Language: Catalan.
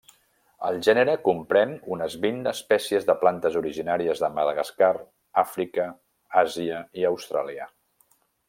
El gènere comprèn unes vint espècies de plantes originàries de Madagascar, Àfrica, Àsia i Austràlia.